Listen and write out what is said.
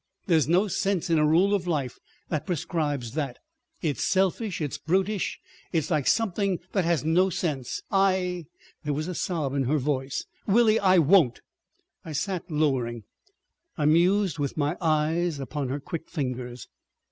There's no sense in a rule of life that prescribes that. It's selfish. It's brutish. It's like something that has no sense. I———" there was a sob in her voice: "Willie! I won't." I sat lowering, I mused with my eyes upon her quick fingers.